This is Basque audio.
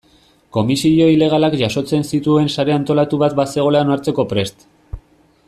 Komisio ilegalak jasotzen zituen sare antolatu bat bazegoela onartzeko prest.